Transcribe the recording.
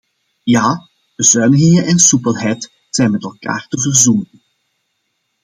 Ja, bezuiniging en soepelheid zijn met elkaar te verzoenen.